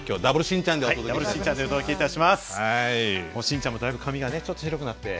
信ちゃんもだいぶ髪がねちょっと白くなって。